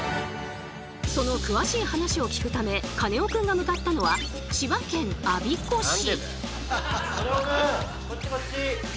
その詳しい話を聞くためカネオくんが向かったのは千葉県我孫子市。